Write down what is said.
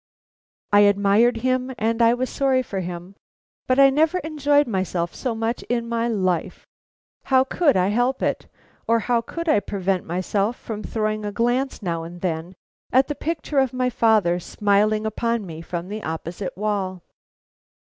I admired him and I was sorry for him, but I never enjoyed myself so much in my whole life. How could I help it, or how could I prevent myself from throwing a glance now and then at the picture of my father smiling upon me from the opposite wall?